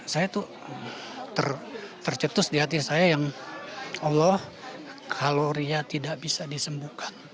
saya tuh tercetus di hati saya yang allah kaloria tidak bisa disembuhkan